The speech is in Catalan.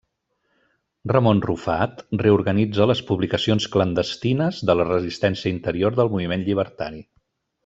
Ramon Rufat reorganitza les publicacions clandestines de la resistència interior del Moviment Llibertari.